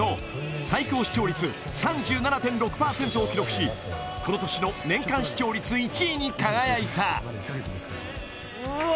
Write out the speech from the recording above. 最高視聴率３７．６％を記録しこの年の年間視聴率１位に輝いたうわ